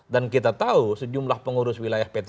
dan kita tahu sejumlah pengurus wilayah p tiga misalnya